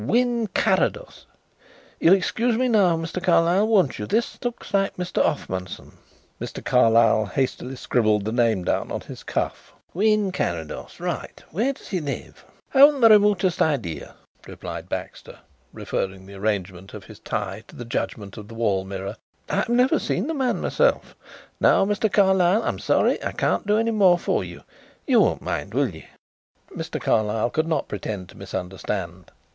"Wynn Carrados! You'll excuse me now, Mr. Carlyle, won't you? This looks like Mr. Offmunson." Mr. Carlyle hastily scribbled the name down on his cuff. "Wynn Carrados, right. Where does he live?" "Haven't the remotest idea," replied Baxter, referring the arrangement of his tie to the judgment of the wall mirror. "I have never seen the man myself. Now, Mr. Carlyle, I'm sorry I can't do any more for you. You won't mind, will you?" Mr. Carlyle could not pretend to misunderstand.